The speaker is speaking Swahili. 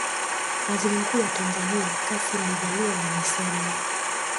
Waziri mkuu wa Tanzania Kassim Majaliwa amesema